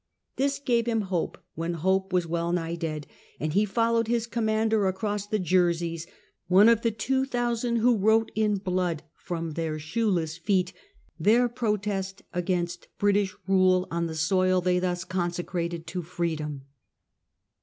This gave him hope, when hope was well nigh dead, and he followed his commander across the Jerseys, one of the two thousand who wrote in blood, from their shoeless feet, their protest against British rale on the soil they thus consecrated to Freedom.